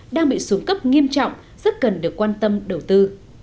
đang bị xuống cấp nghiêm trọng rất cần được quan tâm đầu tư